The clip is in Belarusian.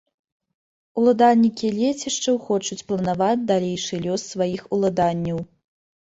Уладальнікі лецішчаў хочуць планаваць далейшы лёс сваіх уладанняў.